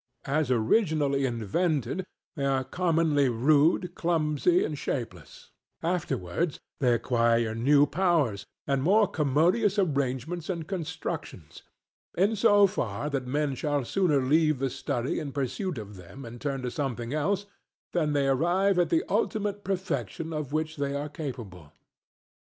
As originally invented they are commonly rude, clumsy, and shapeless; afterwards they acquire new powers and more commodious arrangements and constructions; in so far that men shall sooner leave the study and pursuit of them and turn to something else, than they arrive at the ultimate perfection of which they are capable.